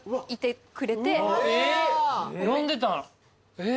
えっ！